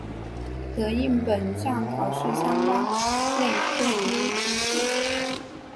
得应本项考试相关类科之考试。